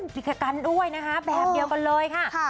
บีเคกันด้วยนะคะแบบเดียวกันเลยค่ะ